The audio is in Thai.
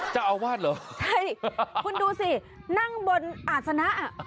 เจ้าอาวาสเหรอใช่คุณดูสินั่งบนอาศนะอ่ะ